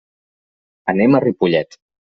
Anem a Ripollet.